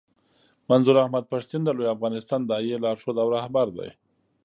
منظور احمد پښتين د لوی افغانستان د داعیې لارښود او رهبر دی.